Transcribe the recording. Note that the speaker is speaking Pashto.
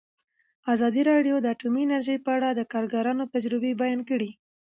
ازادي راډیو د اټومي انرژي په اړه د کارګرانو تجربې بیان کړي.